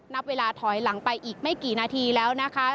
นับเวลาถอยหลังไปอีกไม่กี่นาทีแล้วนะคะ